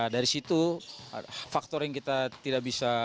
dari situ faktor yang kita tidak bisa